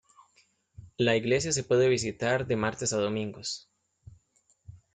La iglesia se puede visitar de martes a domingos.